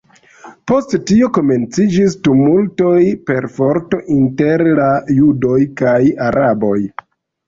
Post tio komenciĝis tumultoj, perforto inter la judoj kaj araboj.